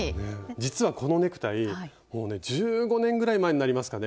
実はこのネクタイもうね１５年ぐらい前になりますかね。